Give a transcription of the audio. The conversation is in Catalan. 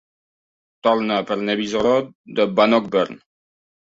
Torna per Nevis Road de Bannockburn.